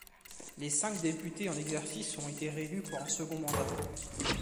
Les cinq députés en exercice ont été réélus pour un second mandat.